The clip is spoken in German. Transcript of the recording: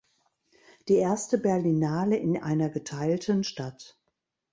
Die erste Berlinale in einer geteilten Stadt.